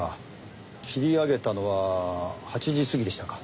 切り上げたのは８時過ぎでしたか。